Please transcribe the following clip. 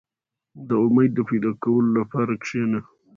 • د امید د پیدا کولو لپاره کښېنه.